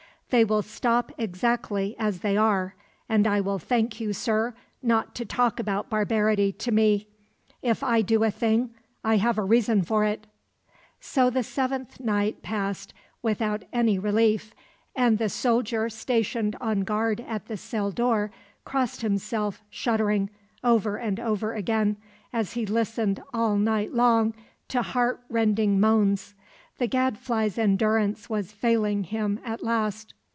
"They will stop exactly as they are; and I will thank you, sir, not to talk about barbarity to me. If I do a thing, I have a reason for it." So the seventh night passed without any relief, and the soldier stationed on guard at the cell door crossed himself, shuddering, over and over again, as he listened all night long to heart rending moans. The Gadfly's endurance was failing him at last.